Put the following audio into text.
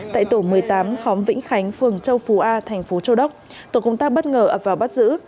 tại tổ một mươi tám khóm vĩnh khánh phường châu phú a thành phố châu đốc tổ công tác bất ngờ ập vào bắt giữ